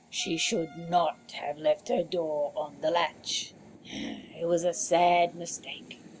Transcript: "She should not have left her door on the latch; it was a sad mistake.